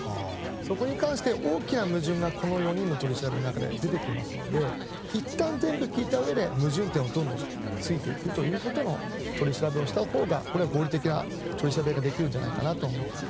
そこに関して、大きな矛盾がこの４人の取り調べの中で出てきますのでいったん全部聞いたうえで矛盾点をどんどん突いていくという取り調べをしたほうが合理的な取り調べができるんじゃないかなとは思っています。